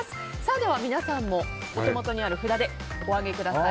では、皆さんもお手元にある札をお上げください。